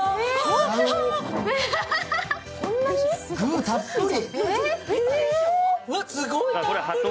具、たっぷり。